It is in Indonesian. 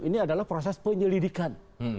ini adalah proses penyelidikan